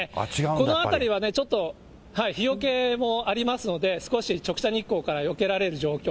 この辺りはね、ちょっと日よけもありますので、少し直射日光からよけられる状況。